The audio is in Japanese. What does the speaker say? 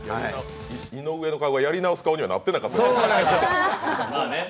井上の顔がやり直す顔にはなってなかった。